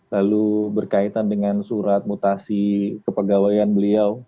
lalu berkaitan dengan surat mutasi kepegawaian beliau